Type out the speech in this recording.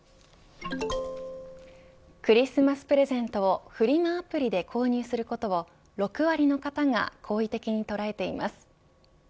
クリスマスプレゼントをフリマで購入することを６割の方が好意的に捉えています。